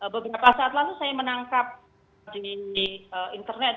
beberapa saat lalu saya menangkap di internet